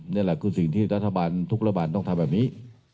นี่แหละคือสิ่งที่รัฐบาลทุกรัฐบาลต้องทำแบบนี้